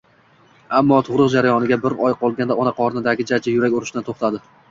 Ammo tug‘ruq jarayoniga bir oy qolganda ona qornidagi jajji yurak urishdan to‘xtadi